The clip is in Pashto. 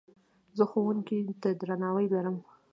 زه ښوونکي ته درناوی لرم.